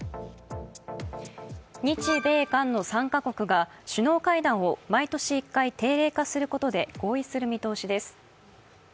日米韓の３か国が首脳会談を毎年１回定例化する方向で合意する見通しです。